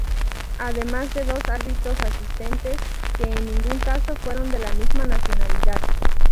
Además de dos árbitros asistentes, que en ningún caso fueron de la misma nacionalidad.